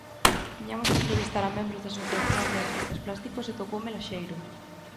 Tiñamos que entrevistar a membros da asociación de artistas plásticos e tocoume Laxeiro.